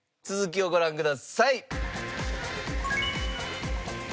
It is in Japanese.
続きをご覧ください。